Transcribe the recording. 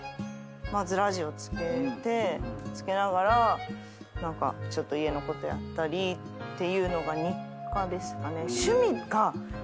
つけながら何かちょっと家のことやったりっていうのが日課ですかね。